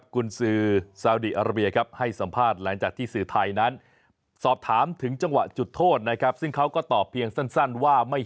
รู้สึกประทับใจกับน้องวันนี้ทุกคนสู้ได้ถึงที่สุดแล้วนะครับ